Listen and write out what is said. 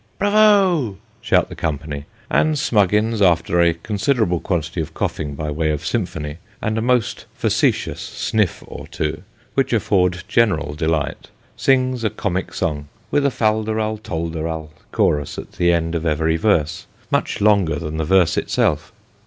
" Bravo !" shout the company ; and Smuggins, after a considerable quantity of coughing by way of symphony, and a most facetious sniff or two, which afford general delight, sings a comic song, with a fal de ral tol de rol chorus at the end of every verse, much longer than the verse itself.